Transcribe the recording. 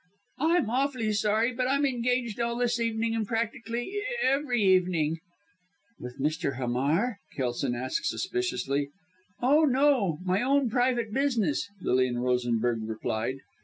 "I'm awfully sorry, but I'm engaged all this evening, and practically every evening." "With Mr. Hamar?" Kelson asked suspiciously. "Oh no! my own private business," Lilian Rosenberg replied.